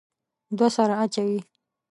دوه سره اچوي.